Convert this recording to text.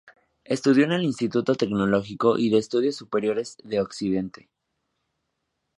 Estudió en el Instituto Tecnológico y de Estudios Superiores de Occidente.